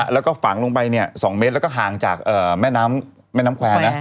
แล้วก็ฝังลงไป๒เมตรแล้วก็ห่างจากแม่น้ำแม่น้ำแควร์นะ